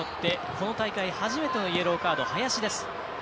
この大会初めてのイエローカードは林です。